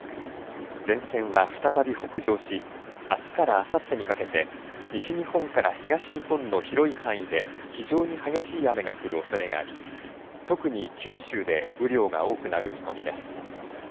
前線は再び北上しあすからあさってにかけて西日本から東日本の広い範囲で非常に激しい雨が降るおそれがあり特に九州で雨量が多くなる見込みです。